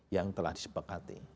yang telah disepakati